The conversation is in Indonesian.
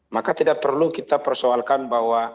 maka tidak perlu kita persoalkan bahwa